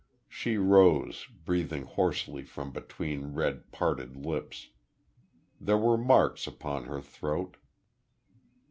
She rose, breathing hoarsely from between red, parted lips. There were marks upon her throat....